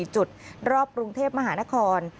จุดรอบกรุงเทพมหานคร